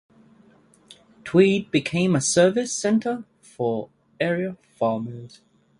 Tweed became a service centre for area farmers.